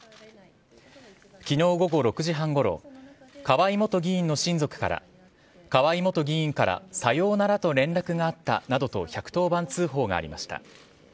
昨日午後６時半ごろ河井元議員の親族から河井元議員からさようならと連絡があったなどと１１０番通報がありました。